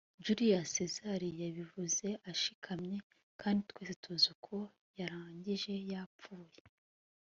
julius sezari yabivuze ashikamye, kandi twese tuzi uko yarangije yapfuye